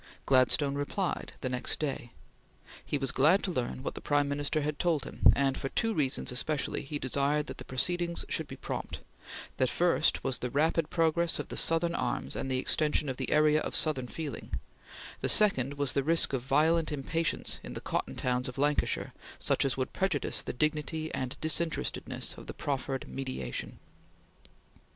Gladstone replied the next day: "He was glad to learn what the Prime Minister had told him; and for two reasons especially he desired that the proceedings should be prompt: the first was the rapid progress of the Southern arms and the extension of the area of Southern feeling; the second was the risk of violent impatience in the cotton towns of Lancashire such as would prejudice the dignity and disinterestedness of the proffered mediation."